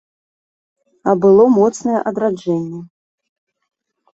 А было моцнае адраджэнне.